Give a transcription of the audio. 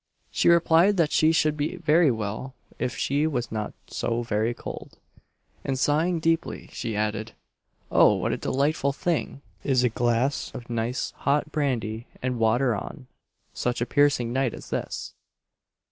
She replied, that she should be very well if she was not so very cold; and sighing deeply, she added, "Oh! what a delightful thing is a glass of nice hot brandy and water on such a piercing night as this!"